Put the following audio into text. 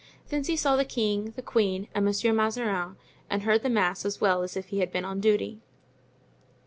Thence he saw the king, the queen and Monsieur Mazarin, and heard the mass as well as if he had been on duty.